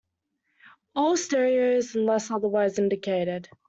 All stereo unless otherwise indicated.